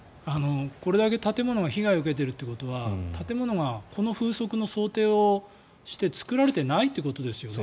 これだけ建物が被害を受けているということは建物がこの風速の想定をして造られていないということですよね。